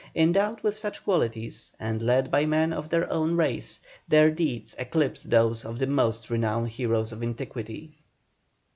Endowed with such qualities, and led by men of their own race, their deeds eclipse those of the most renowned heroes of antiquity.